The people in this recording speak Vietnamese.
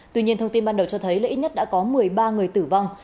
tuy nhiên thông tin ban đầu cho thấy lễ nhất đã có một mươi ba người tử vong